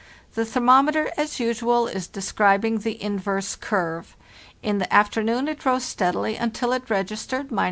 The thermometer, as usual, is describing the inverse curve. In the afternoon it rose steadily until it registered —21.